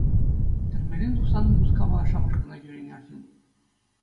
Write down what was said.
Тӗрмерен тухсан Мускава шапашкӑна ҫӳренӗ арҫын.